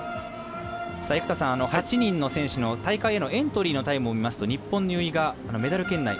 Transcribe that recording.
さあ生田さん、８人の選手の大会へのエントリーのタイムを見ますと日本の由井がメダル圏内。